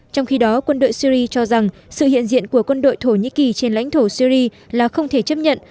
trong khi đó quân đội syri cho rằng sự hiện diện của quân đội thổ nhĩ kỳ trên lãnh thổ syri là không thể chấp nhận